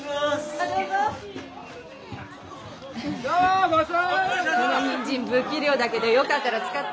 このにんじん不器量だけどよかったら使って。